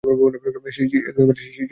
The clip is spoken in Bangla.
সেই ছিল তাঁর মহত্ত্ব।